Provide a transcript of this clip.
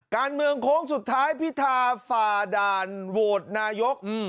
การเมืองโค้งสุดท้ายพิธาฝ่าด่านโหวตนายก